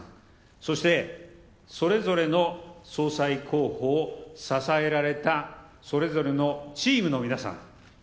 そして、それぞれの総裁候補を支えられたそれぞれのチームの皆さん。